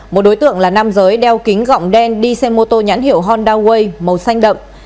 một đối tượng là nam giới đeo kính gọng đen đi xe mô tô nhãn hiệu honda way màu xanh đậm